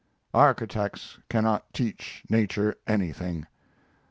Architects cannot teach nature anything.